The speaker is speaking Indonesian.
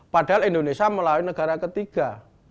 padahal indonesia melalui negara ketiga